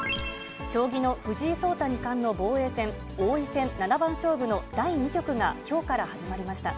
将棋の藤井聡太二冠の防衛戦、王位戦七番勝負の第２局がきょうから始まりました。